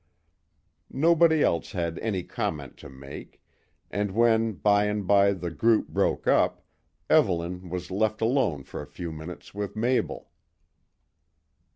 Nobody else had any comment to make, and when by and by the group broke up, Evelyn was left alone for a few minutes with Mabel.